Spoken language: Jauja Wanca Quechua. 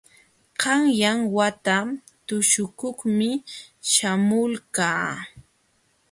Qanyan wata tuśhukuqmi śhamulqaa.